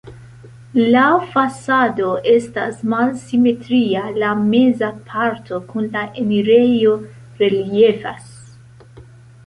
La fasado estas malsimetria, la meza parto kun la enirejo reliefas.